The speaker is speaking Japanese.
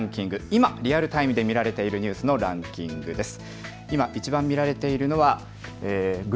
今リアルタイムで見られているニュースのランキングです。